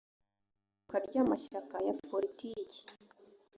ivuka ry amashyaka ya politiki